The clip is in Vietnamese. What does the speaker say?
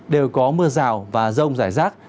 đều có mưa rào và rông giải rác